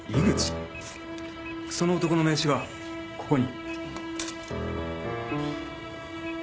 その男の名刺がここに。